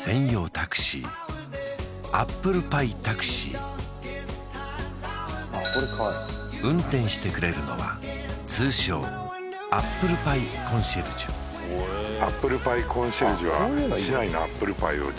タクシーアップルパイタクシー運転してくれるのは通称アップルパイコンシェルジュいいですねはいえっと